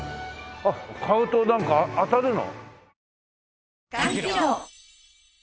あっ買うとなんか当たるの？